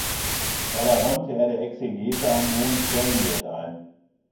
Dabei räumte er der Exegese einen hohen Stellenwert ein.